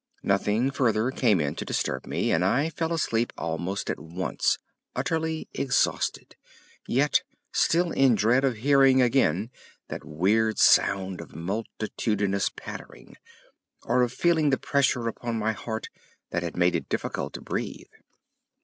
Nothing further came in to disturb me, and I fell asleep almost at once, utterly exhausted, yet still in dread of hearing again that weird sound of multitudinous pattering, or of feeling the pressure upon my heart that had made it difficult to breathe.